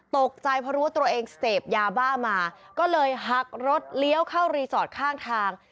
ตกใจเพราะรู้ว่าตัวเองเสพยาบ้ามาก็เลยหักรถเลี้ยวเข้ารีสอร์ทข้างทาง